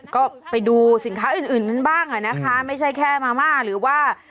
ก็ไปดูสินค้าอื่นอื่นบ้างอ่ะนะคะไม่ใช่แค่มาม่าหรือว่า